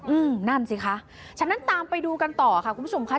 อืมนั่นสิคะฉะนั้นตามไปดูกันต่อค่ะคุณผู้ชมค่ะ